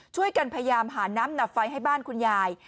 ช่วยกันพยายามหาน้ำดับไฟให้บ้านคุณยาย